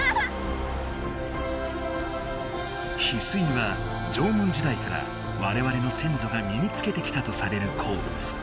ヒスイは縄文時代からわれわれの先祖がみにつけてきたとされる鉱物。